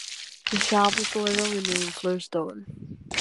The shop was later renamed Flerstore.